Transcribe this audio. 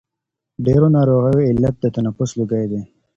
ډېرو ناروغیو علت د تنفس لوګی دی.